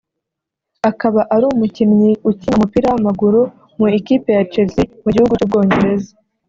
akaba ari umukinnyi ukina umupira w’amaguru mu ikipe ya Chelsea mu gihugu cy’u Bwongereza